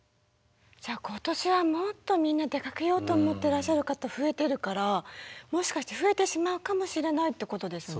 じゃあ今年はもっとみんな出かけようと思ってらっしゃる方増えてるからもしかして増えてしまうかもしれないってことですね。